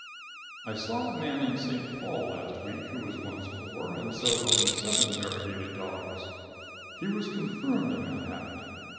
I saw a man in St. Paul last week who was once poor, and so owned seven variegated dogs. He was confirmed in that habit.